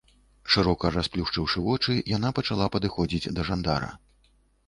Шырока расплюшчыўшы вочы, яна пачала падыходзіць да жандара.